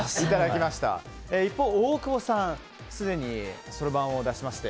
一方、大久保さんすでにそろばんを出しまして。